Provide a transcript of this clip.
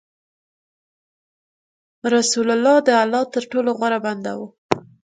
رسول الله د الله تر ټولو غوره بنده و.